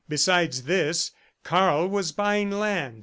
Besides this, Karl was buying land.